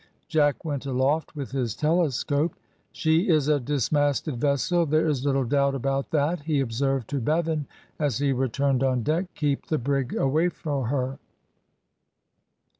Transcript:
Jack went aloft with his telescope. "She is a dismasted vessel, there is little doubt about that," he observed to Bevan, as he returned on deck. "Keep the brig away for her."